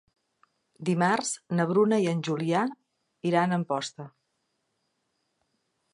Dimarts na Bruna i en Julià iran a Amposta.